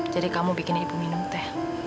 jadi kamu bikin ibu minum teh